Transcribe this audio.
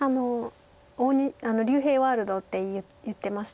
竜平ワールドって言ってました